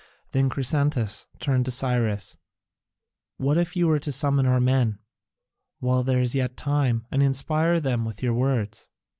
Then Chrysantas turned to Cyrus: "What if you also were to summon our men, while there is yet time, and inspire them with your words?"